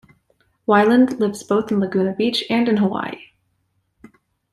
Wyland lives both in Laguna Beach and in Hawaii.